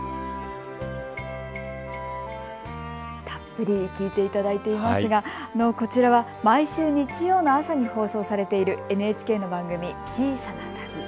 たっぷり聞いていただいていますがこちらは、毎週日曜の朝に放送されているＮＨＫの番組、小さな旅。